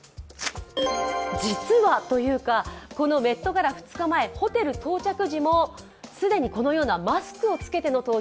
実はというか、このメット・ガラ２日前ホテル到着時もすでにこのようなマスクを着けての登場。